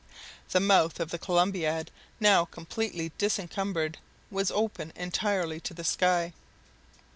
The mouth of the Columbiad, now completely disencumbered, was open entirely to the sky.